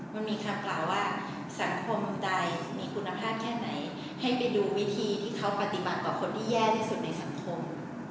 มันมีคำกล่าวว่าสังคมคนใดมีคุณภาพแค่ไหนให้ไปดูวิธีที่เขาปฏิบัติต่อคนที่แย่ที่สุดในสังคม